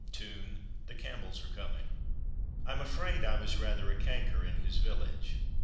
(tune "The Campbells are coming"). I'm afraid I was rather a canker in his village.